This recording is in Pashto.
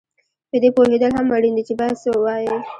په دې پوهېدل هم اړین دي چې باید څه ووایې